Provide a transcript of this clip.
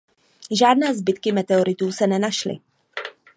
Žádné zbytky meteoritů se nenašly.